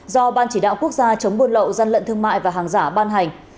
do ban chỉ đạo quốc gia chống buôn lậu gian lận thương mại và hàng giả ban hành